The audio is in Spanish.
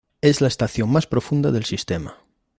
Es la estación más profunda del sistema.